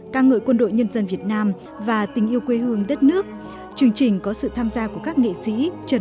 văn hóa việt nam và tình yêu quê hương đất nước chương trình có sự tham gia của các nghệ sĩ trần